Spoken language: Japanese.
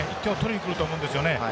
１点を取りにくると思うんですよね。